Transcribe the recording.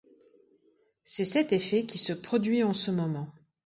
C’est cet effet qui se produit en ce moment